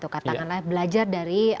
katakanlah belajar dari